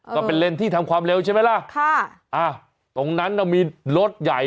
ก็เป็นเลนส์ที่ทำความเร็วใช่ไหมล่ะค่ะอ่าตรงนั้นน่ะมีรถใหญ่